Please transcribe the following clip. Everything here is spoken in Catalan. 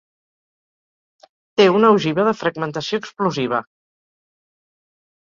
Té una ogiva de fragmentació explosiva.